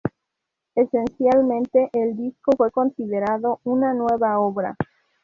Esencialmente, el disco fue considerado una nueva obra.